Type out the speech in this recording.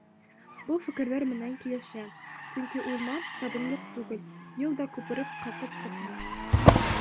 Был фекерҙәр менән килешәм, сөнки урман сабынлыҡ түгел, йыл да күпереп ҡалҡып сыҡмай.